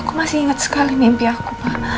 aku masih ingat sekali mimpi aku